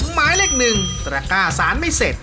หมายเลขหนึ่งตระก้าสารไม่เสร็จ